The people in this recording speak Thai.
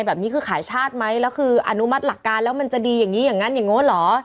แบบนี้คือขายชาติไหมแล้วคืออนุมัติหลักการแล้วมันจะดีอย่างนี้อย่างนั้นอย่างโน้นเหรอ